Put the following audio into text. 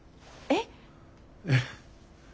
えっ？